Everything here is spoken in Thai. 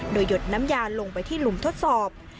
โดยหยดน้ำยาลงไปที่หลุมทดสอบ